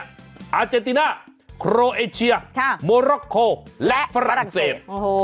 อาเจนติน่าโครเอเชียโมร็อกโคและฝรั่งเศส